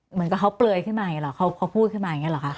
เหมือนกับเขาเปลือยขึ้นมาอย่างนี้หรอเขาพูดขึ้นมาอย่างนี้หรอคะ